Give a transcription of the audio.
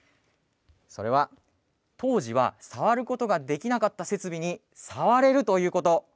それは当時は触ることができなかった設備に触れるということ。